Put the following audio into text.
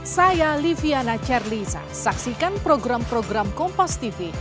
saya liviana cirlisa saksikan program program kompastv